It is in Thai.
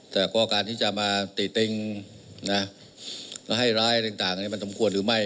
แต่ก็การที่จะมาติดติ้งและให้ร้ายต่างนี่มันสมควรหรือไม่